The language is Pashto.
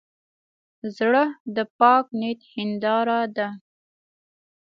زړه د پاک نیت هنداره ده.